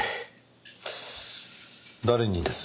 誰にです？